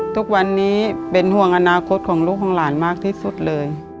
ทุกวันนี้เป็นห่วงอนาคตของลูกของหลานมากที่สุดเลย